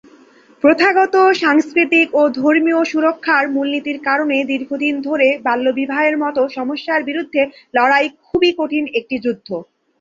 প্রথাগত, সাংস্কৃতিক ও ধর্মীয় সুরক্ষার মূলনীতির কারণে দীর্ঘদিন ধরে বাল্যবিবাহের মত সমস্যার বিরুদ্ধে লড়াই খুবই কঠিন একটি যুদ্ধ।